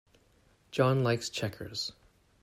John likes checkers.